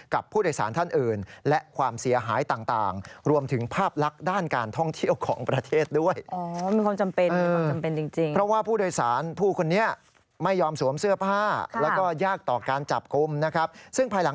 กับผู้โดยสารท่านอื่น